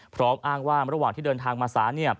พร้อมอ้างว่าระหว่างที่เดินทางมาศาล